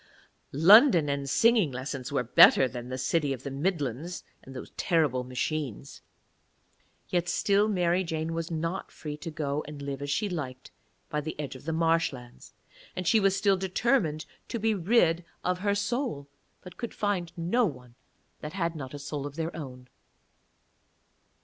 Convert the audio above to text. London and singing lessons were better than the City of the Midlands and those terrible machines. Yet still Mary Jane was not free to go and live as she liked by the edge of the marshlands, and she was still determined to be rid of her soul, but could find no one that had not a soul of their own.